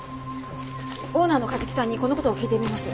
オーナーの梶木さんにこの事を聞いてみます。